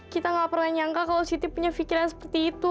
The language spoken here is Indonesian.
kita gak pernah nyangka kalau siti punya pikiran seperti itu